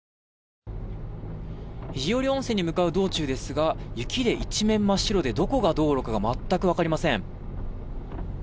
肘折温泉に向かう道中ですが一面真っ白でどこが道路かが全く分かりません。